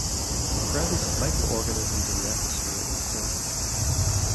The presence of micro-organisms in the atmosphere is certain.